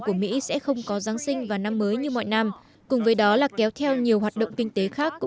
của mỹ sẽ không có giáng sinh và năm mới như mọi năm cùng với đó là kéo theo nhiều hoạt động kinh tế khác của